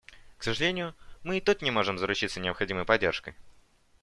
К сожалению, мы и тут не можем заручиться необходимой поддержкой.